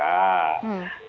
jadi kalau kita berpikir pikir